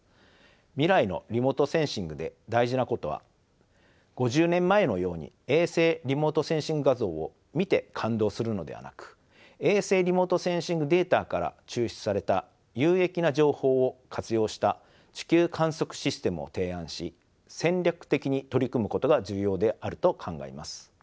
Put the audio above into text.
未来のリモートセンシングで大事なことは５０年前のように衛星リモートセンシング画像を見て感動するのではなく衛星リモートセンシングデータから抽出された有益な情報を活用した地球観測システムを提案し戦略的に取り組むことが重要であると考えます。